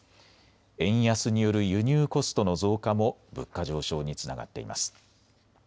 円安による輸入コストの増加も物価上昇につながっています。